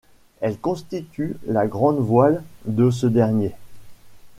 Elle constitue la grand-voile de ce dernier.